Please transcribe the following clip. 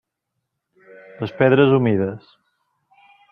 Les pedres humides.